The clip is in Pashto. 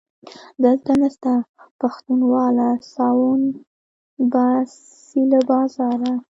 دلته نسته پښتونواله - ساوڼ باسي له بازاره